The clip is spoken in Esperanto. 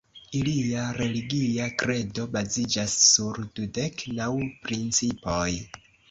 Ilia religia kredo baziĝas sur "dudek naŭ principoj".